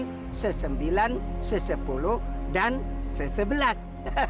dan sesembilan sesepuluh dan sesebelas